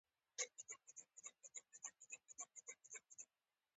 ضرور نه ده چې موږ یې ومنو.